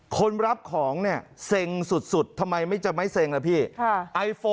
คนรับของเนี่ยเซ็งสุดทำไมไม่จะไม่เซ็งล่ะพี่